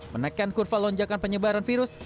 menekan kurva lonjakan penyebaran virus